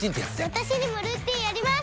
私にもルーティンあります！